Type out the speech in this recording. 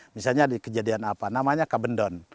misalnya di kejadian apa namanya kabendon